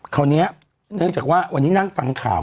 เนื่องจากว่าวันนี้นั่งฟังข่าว